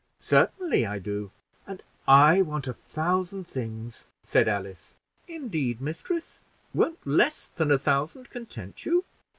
"Certainly I do." "And I want a thousand things," said Alice. "Indeed, mistress, won't less than a thousand content you?"